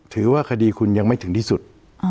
ถือว่าคดีคุณยังไม่ถึงที่สุด